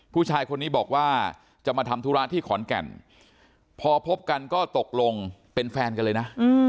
ผู้ชายคนนี้บอกว่าจะมาทำธุระที่ขอนแก่นพอพบกันก็ตกลงเป็นแฟนกันเลยนะ